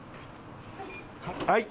はい。